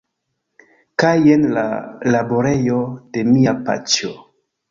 Kaj jen la laborejo de mia paĉjo.